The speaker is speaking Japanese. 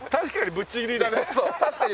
ぶっちぎりだね。